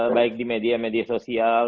baik di media media sosial